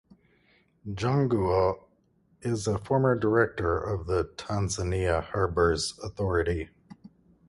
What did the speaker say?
Janguo is a former Director General of the Tanzania Harbours Authority.